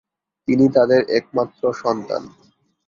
তিনি তাদের একমাত্র সন্তান।